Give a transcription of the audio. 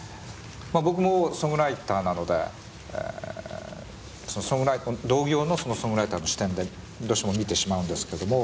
まあ僕もソングライターなので同業のそのソングライターの視点でどうしても見てしまうんですけども。